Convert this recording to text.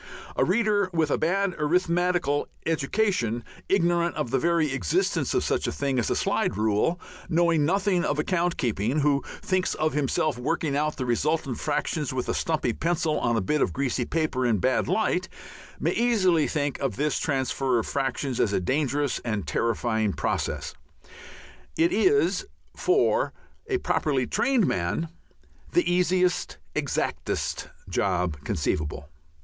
A reader with a bad arithmetical education, ignorant of the very existence of such a thing as a slide rule, knowing nothing of account keeping, who thinks of himself working out the resultant fractions with a stumpy pencil on a bit of greasy paper in a bad light, may easily think of this transfer of fractions as a dangerous and terrifying process. It is, for a properly trained man, the easiest, exactest job conceivable.